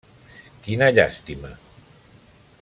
Quina llàstima!